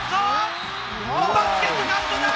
バスケットカウントだ！